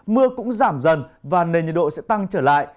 mưa cũng giảm dần và nền nhiệt độ sẽ tăng trở lại